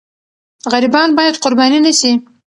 غریبان باید قرباني نه سي.